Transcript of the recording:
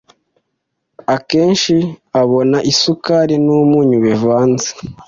Akenshi abona isukari n'umunyu bivanze.